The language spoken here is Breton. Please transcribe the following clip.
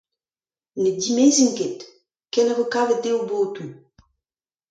Ne dimezint ket, ken a vo kavet dezhe o botoù.